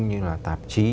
như là tạp chí